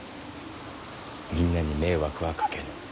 みんなに迷惑はかけぬ。